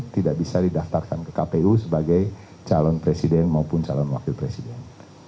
tidak bisa didaftarkan ke kpu sebagai calon presiden maupun calon wakil presiden